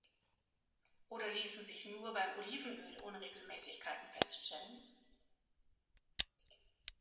Oder ließen sich nur beim Olivenöl Unregelmäßigkeiten feststellen?